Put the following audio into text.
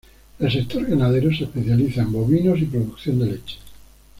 El sector ganadero se especializa en bovinos y producción de leche.